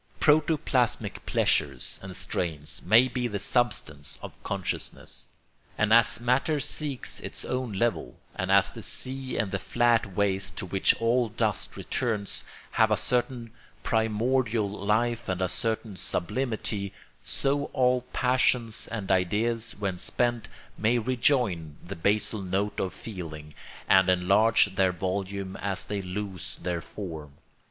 Protoplasmic pleasures and strains may be the substance of consciousness; and as matter seeks its own level, and as the sea and the flat waste to which all dust returns have a certain primordial life and a certain sublimity, so all passions and ideas, when spent, may rejoin the basal note of feeling, and enlarge their volume as they lose their form.